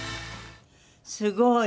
すごい！